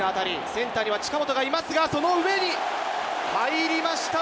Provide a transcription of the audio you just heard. センターには近本がいますが、その上に入りました！